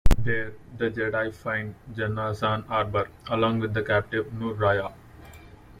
There, the Jedi find Jenna Zan Arbor, along with the captive Noor R'aya.